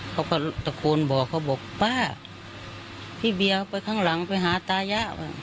เขาก็ตะโกนบอกเขาบอกป้าพี่เบียไปข้างหลังไปหาตายะ